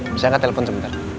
bisa gak telepon sebentar